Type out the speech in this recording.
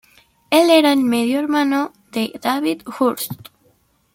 Él era medio hermano de David Hurst.